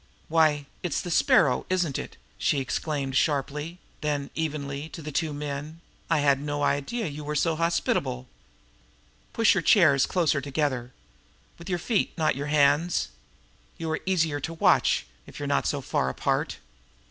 "Why, it's the Sparrow, isn't it?" she exclaimed sharply; then, evenly, to the two men: "I had no idea you were so hospitable! Push your chairs closer together with your feet, not your hands! You are easier to watch if you are not too far apart."